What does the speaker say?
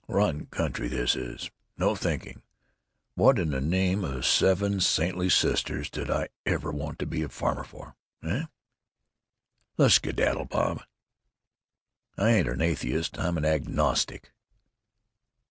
Bum country, this is. No thinking. What in the name of the seven saintly sisters did I ever want to be a farmer for, heh? "Let's skedaddle, Bob. "I ain't an atheist. I'm an agnostic.